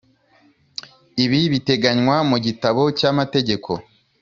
Ibi biteganywa mu gitabo cy’amategeko